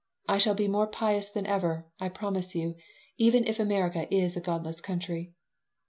I shall be more pious than ever, I promise you, even if America is a godless country."